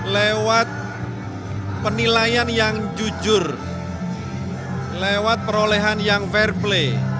lewat penilaian yang jujur lewat perolehan yang fair play